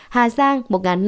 hà giang một năm trăm sáu mươi